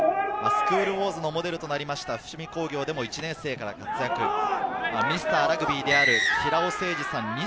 『スクール☆ウォーズ』のモデルとなりました伏見工業でも１年生からミスターラグビーである平尾誠二さん